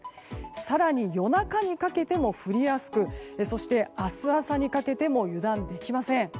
更に夜中にかけても降りやすくそして、明日朝にかけても油断できません。